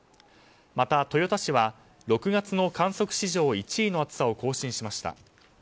また、豊田市は６月の観測史上１位の暑さを更新しました。